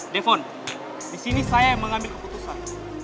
defon disini saya yang mengambil pilihan